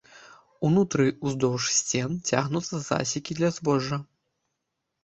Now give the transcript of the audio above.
Унутры, уздоўж сцен, цягнуцца засекі для збожжа.